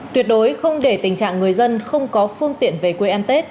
tuyệt đối không để tình trạng người dân không có phương tiện về quê ăn tết